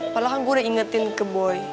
malah kan gue udah ingetin ke boy